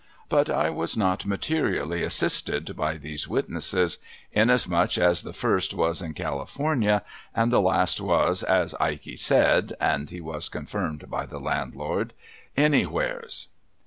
But, 1 was not materially assisted by these witnesses : inasmuch as the first was in California, and the last was, as Ikey said (and he was confirmed hv the landlord), Anywheres.